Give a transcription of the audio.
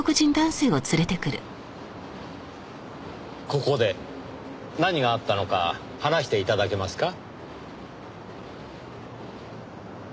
ここで何があったのか話して頂けますか？